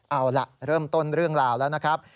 เอาล่ะเริ่มต้นเรื่องราวแล้วนะครับ